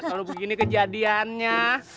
kalau begini kejadiannya